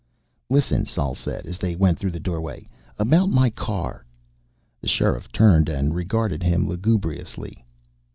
"Listen," Sol said, as they went through the doorway. "About my car " The Sheriff turned and regarded him lugubriously.